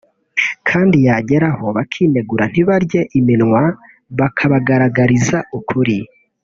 kandi yagera aho bakinegura ntibarye iminwa bakabagaragariza ukuri